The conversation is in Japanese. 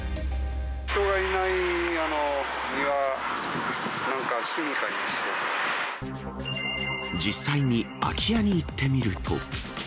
人がいない庭なんか住みかに実際に空き家に行ってみると。